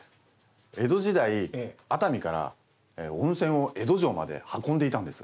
江戸時代熱海から温泉を江戸城まで運んでいたんです。